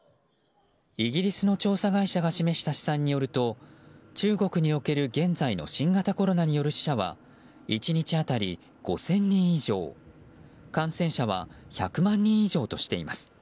イギリスの調査会社が示した試算によると中国における現在の新型コロナによる死者は１日当たり５０００人以上感染者は１００万人以上としています。